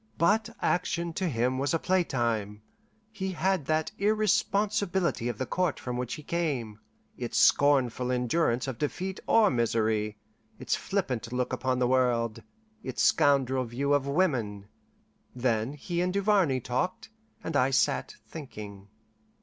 But action to him was a playtime; he had that irresponsibility of the Court from which he came, its scornful endurance of defeat or misery, its flippant look upon the world, its scoundrel view of women. Then he and Duvarney talked, and I sat thinking.